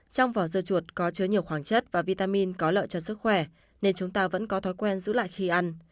trong vỏ dơ chuột có chứa nhiều khoáng chất và vitamin có lợi cho sức khỏe nên chúng ta vẫn có thói quen giữ lại khi ăn